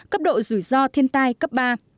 cấp độ rủi ro thiên tai cấp ba